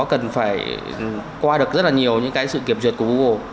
cần phải qua được rất là nhiều những cái sự kiểm duyệt của google